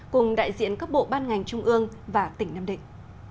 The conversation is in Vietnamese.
cùng đại diện các bộ ban ngành trung ương và tỉnh nam định